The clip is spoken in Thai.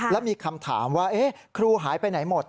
แล้วมีคำถามว่าครูหายไปไหนหมด